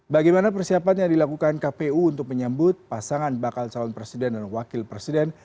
bagaimana persiapan yang dilakukan kpu untuk menyambut pasangan bakal calon presiden dan wakil presiden